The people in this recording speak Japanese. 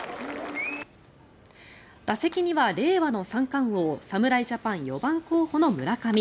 打席には令和の三冠王侍ジャパン４番候補の村上。